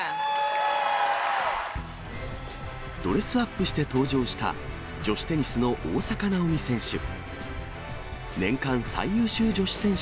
ドレスアップして登場した、女子テニスの大坂なおみ選手。